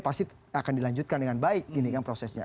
pasti akan dilanjutkan dengan baik prosesnya